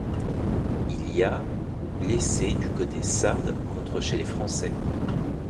Il y a ou blessés du côté sarde contre chez les Français.